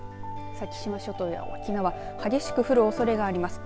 先島諸島や沖縄激しく降るおそれがあります。